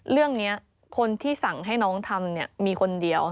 เรื่องนี้คนที่สั่งให้น้องทำมีคนเดียว